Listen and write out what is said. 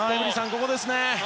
ここですね。